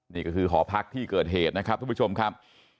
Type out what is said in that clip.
นี่ก็คือหอพักที่เกิดเหตุนะครับทุกผู้ชมครับ